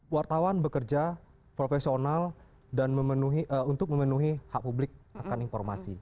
wartawan bekerja profesional dan untuk memenuhi hak publik akan informasi